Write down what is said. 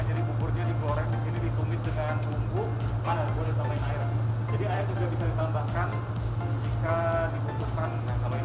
jadi buburnya digoreng disini ditumis dengan bumbu padan boleh tambahin air